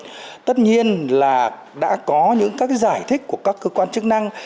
tất nhiên là đã có những các giải thích của các cơ quan chức năng